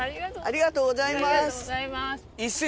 ありがとうございます。